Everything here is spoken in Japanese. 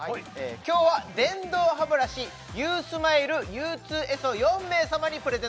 今日は電動歯ブラシｕｓｍｉｌｅＵ２Ｓを４名様にプレゼントします